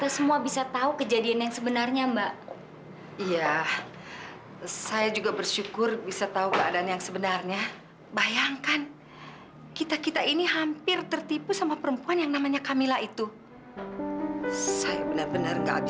semua itu gak punya harga diri